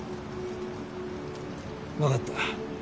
分かった。